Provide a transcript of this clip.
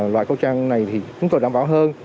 loại khẩu trang này thì chúng tôi đảm bảo hơn